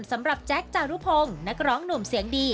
สำหรับแจ๊คจารุพงค์นักร้องหนุ่มเสียงดี